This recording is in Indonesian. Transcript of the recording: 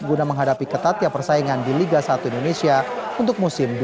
guna menghadapi ketatnya persaingan di liga satu indonesia untuk musim dua ribu dua puluh